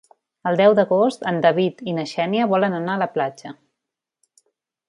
El deu d'agost en David i na Xènia volen anar a la platja.